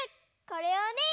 これをね